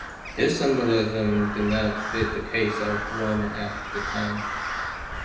This symbolism did not fit the case of Rome at the time.